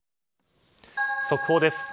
速報です。